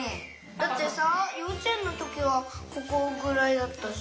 だってさようちえんのときはここぐらいだったし。